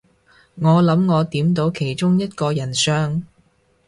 我諗我點到其中一個人相